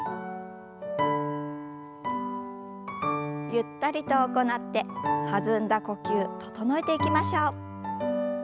ゆったりと行って弾んだ呼吸整えていきましょう。